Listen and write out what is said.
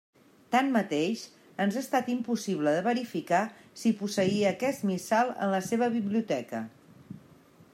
Tanmateix, ens ha estat impossible de verificar si posseïa aquest missal en la seva biblioteca.